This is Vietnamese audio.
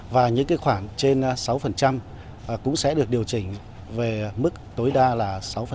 và những khoản trên sáu cũng sẽ được điều chỉnh về mức tối đa là sáu